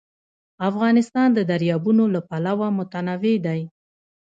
افغانستان د دریابونه له پلوه متنوع دی.